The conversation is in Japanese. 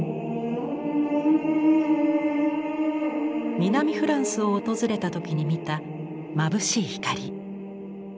南フランスを訪れた時に見たまぶしい光。